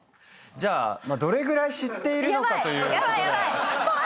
じゃあどれぐらい知っているのかということで。